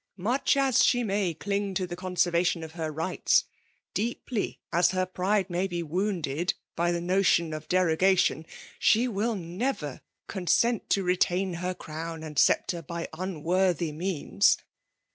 Much a$ sbe may cling to the conservation of her rights, deeply as iner pride may be wounded by the notion of dero gation, sho vnXL never consent to retain ber crown and sceptre by unworthy means.